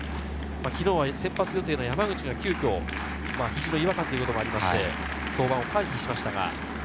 昨日は先発予定の山口が急きょ肘の違和感ということもあって、登板を回避しました。